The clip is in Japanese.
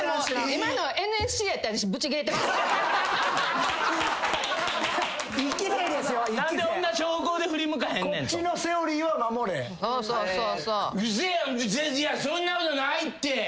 いやそんなことないって！